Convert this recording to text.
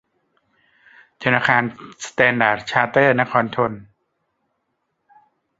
ธนาคารสแตนดาร์ดชาร์เตอร์ดนครธน